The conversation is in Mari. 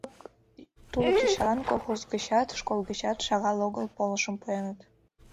Тулык йочалан колхоз гычат, школ гычат шагал огыл полышым пуэныт.